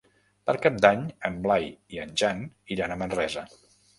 Per Cap d'Any en Blai i en Jan iran a Manresa.